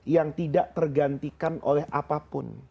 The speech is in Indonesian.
yang tidak tergantikan oleh apapun